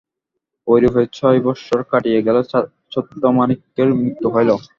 এইরূপে ছয় বৎসর কাটিয়া গেলে ছত্রমাণিক্যের মৃত্যু হইল।